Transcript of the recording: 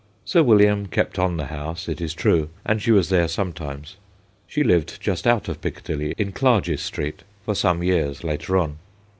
Sir William kept on the house, it is true, and she was there sometimes. She lived just out of Piccadilly, in Clarges Street, for some years later on.